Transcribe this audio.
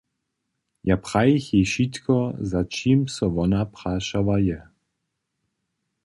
Ja prajich jej wšitko, za čim so wona prašała je.